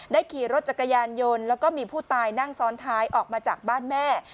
ขี่รถจักรยานยนต์แล้วก็มีผู้ตายนั่งซ้อนท้ายออกมาจากบ้านแม่